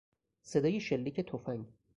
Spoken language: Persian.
صدای شلیک تفنگ